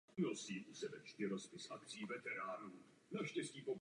Manželství rodičů nebylo šťastné a Edgar Lee strávil většinu dětství na farmě prarodičů.